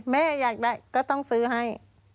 แม่อยากได้ก็ต้องซื้อให้